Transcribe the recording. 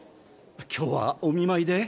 今日はお見舞いで？